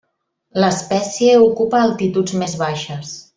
L'espècie ocupa altituds més baixes.